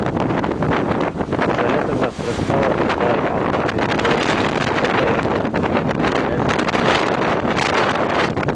Изоляторҙа Фредҡа ла алма биргәндәр икән, ул да яртыһын һиңә күстәнәс итеп ебәрҙе, тиерһең.